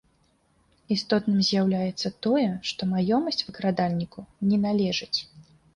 Істотным з'яўляецца тое, што маёмасць выкрадальніку не належыць.